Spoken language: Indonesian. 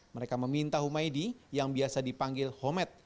mereka meminta humaydi yang biasa dipanggil homet